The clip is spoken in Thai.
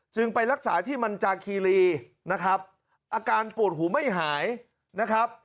ไปรักษาที่มันจากคีรีนะครับอาการปวดหูไม่หายนะครับ